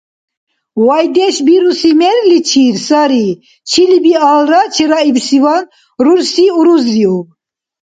Вайдеш бируси мерличир сари чили-биалра чераибсиван, рурси урузриуб.